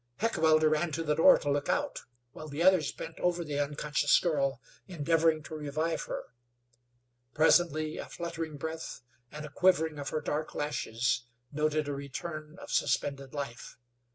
Heckewelder ran to the door to look out, while the others bent over the unconscious girl, endeavoring to revive her. Presently a fluttering breath and a quivering of her dark lashes noted a return of suspended life.